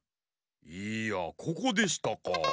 いやここでしたか。